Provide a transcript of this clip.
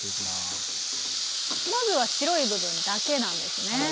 まずは白い部分だけなんですね。